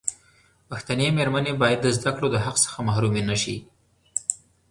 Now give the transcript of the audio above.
پښتنې مېرمنې باید د زدکړو دحق څخه محرومي نشي.